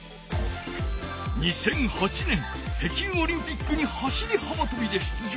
２００８年北京オリンピックに走りはばとびで出場。